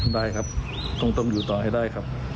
ได้ครับต้องอยู่ต่อให้ได้ครับ